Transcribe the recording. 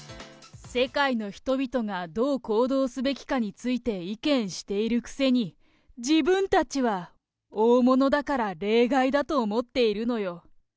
世界の人々がどう行動すべきかについて意見しているくせに、自分たちは大物だから例外だと思っているのよ。